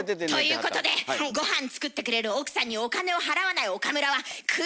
ということでごはん作ってくれる奥さんにお金を払わない岡村は食い逃げです。